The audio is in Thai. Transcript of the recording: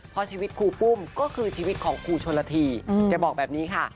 เพราะชีวิตครูปุ้มก็คือชีวิตของครูชนละทีแกบอกแบบนี้ค่ะ